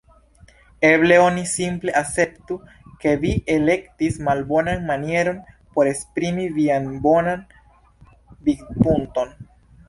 Eble oni simple akceptu, ke vi elektis malbonan manieron por esprimi vian bonan vidpunkton.